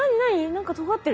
何かとがってる。